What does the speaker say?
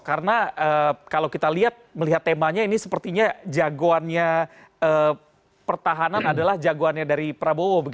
karena kalau kita melihat temanya ini sepertinya jagoannya pertahanan adalah jagoannya dari prabowo